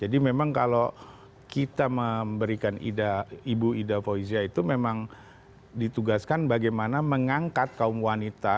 jadi memang kalau kita memberikan ibu ida poesia itu memang ditugaskan bagaimana mengangkat kaum wanita